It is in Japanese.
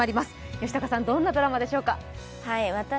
吉高さん、どんなドラマでしょうか？